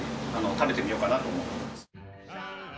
食べてみようかなと思っています。